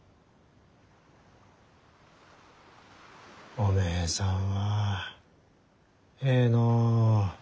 おめえさんはええのう。